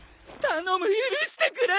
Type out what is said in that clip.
頼む許してくれ！